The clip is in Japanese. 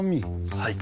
はい。